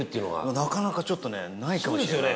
なかなか、ちょっとねないかもしれない。